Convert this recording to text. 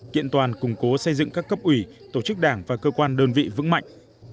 kiện toàn củng cố xây dựng các cấp ủy tổ chức đảng và cơ quan đơn vị vững mạnh